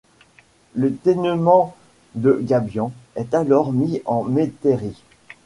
Le tènement de Gabian est alors mis en métairie.